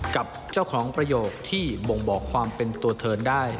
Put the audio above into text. กับเจ้าของประโยคที่บ่งบอกความเป็นตัวเทินได้